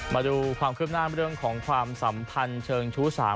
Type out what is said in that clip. มาดูความคืบหน้าเรื่องของความสัมพันธ์เชิงชู้สาว